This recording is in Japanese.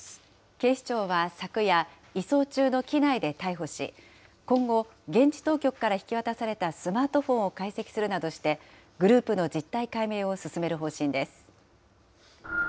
警視庁は昨夜、移送中の機内で逮捕し、今後、現地当局から引き渡されたスマートフォンを解析するなどして、グループの実態解明を進める方針です。